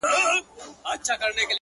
پاگل لگیا دی نن و ټول محل ته رنگ ورکوي!